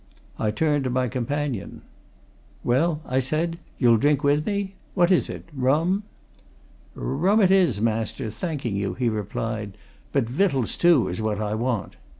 I turned to my companion. "Well?" I said. "You'll drink with me? What is it rum?" "Rum it is, master, thanking you," he replied. "But vittals, too, is what I want."